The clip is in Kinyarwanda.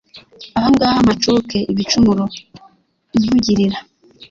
Ahangaha mpacuke ibicumuro nkugilira